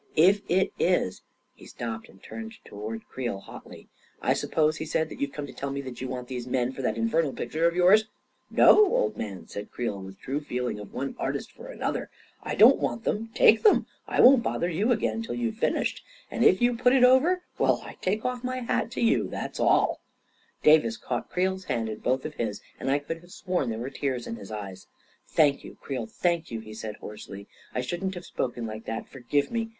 If it is ••." He stopped and turned toward Creel hotly. " I suppose," he said, " that youVe come to tell me that you want these men for that infernal picture of yours !"" No, old man," said Creel with the true feeling of one artist for another, " I don't want them. Take them — I won't bother you again till you've A KING IN BABYLON 19ft finished. And if you put it over — well, I take off my hat to you, that's all 1 " Davis caught Creel's hand in both of his and I could have sworn there were tears in his eyes. " Thank you, Creel; thank you," he said hoarsely. " I shouldn't have spoken like that — forgive me.